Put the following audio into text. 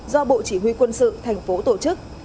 do bộ chỉ huy quân sự thành phố tổ chức